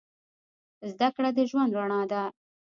زدهکړه د ژوند رڼا ده